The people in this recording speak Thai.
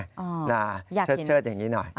อ๋ออยากเห็นเชิดอย่างนี้หน่อย